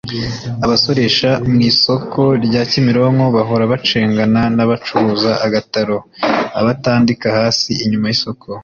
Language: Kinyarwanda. Abasoresha mu isoko rya Kimironko bahora bacengana n’abacuruza agataro (abatandika hasi inyuma y’isoko)